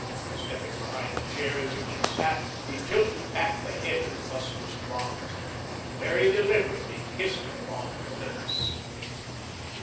Stepping behind the chair in which she sat, he tilted back the head of lustrous bronze, and very deliberately kissed her on the lips.